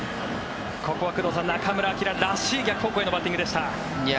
ここは工藤さん、中村晃らしい逆方向へのバッティングでした。